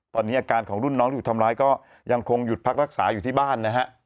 ตอนนี้อาการของรุ่นน้องที่ถูกทำร้ายก็ยังคงหยุดพักรักษาอยู่ที่บ้านนะฮะ